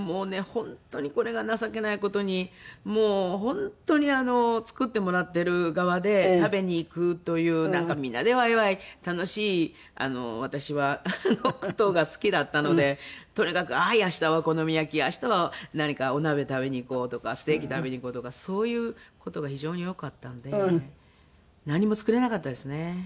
本当にこれが情けない事にもう本当に作ってもらってる側で食べに行くというみんなでワイワイ楽しい私は事が好きだったのでとにかくはい明日はお好み焼き明日は何かお鍋食べに行こうとかステーキ食べに行こうとかそういう事が非常に多かったので何も作れなかったですね。